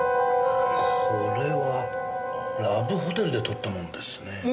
これはラブホテルで撮ったものですね。